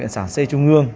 sản xe trung ương